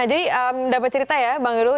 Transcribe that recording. jadi dapat cerita ya bang eroh